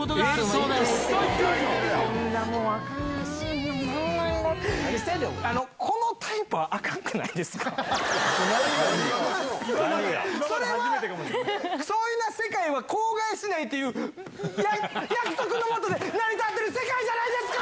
それは、そんな世界は口外しないっていう、約束の下で成り立ってる世界じゃないですか！